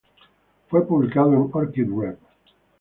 Fue publicado en "Orchid Rev.".